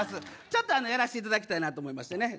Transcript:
ちょっとあのやらしていただきたいなと思いましてね